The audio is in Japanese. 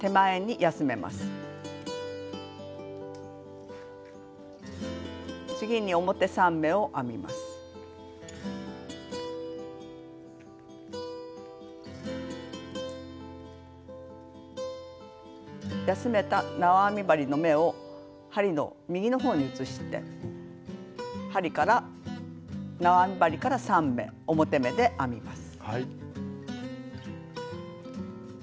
休めたなわ編み針の目を針の右の方に移して針からなわ編み針から３目表目で編みます。